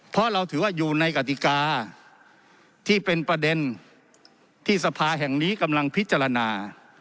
เพราะเราถือว่าอยู่ในกติกาที่เป็นประเด็นที่สภาแห่งนี้กำลังพิจารณา